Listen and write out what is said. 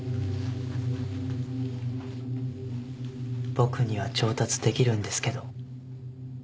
僕には調達できるんですけど。